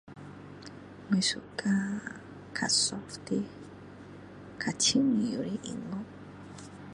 我 suka 比较 soft 的比较轻松的音乐